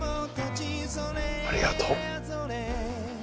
ありがとう。